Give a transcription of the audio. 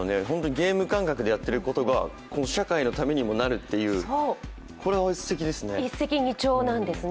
ゲーム感覚でやってることが社会のためにもなるっていうこれはすてきですね。